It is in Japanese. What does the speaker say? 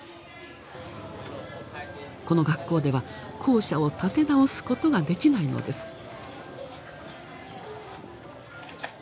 この学校では校舎を建て直すことができないのです。